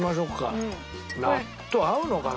納豆合うのかな？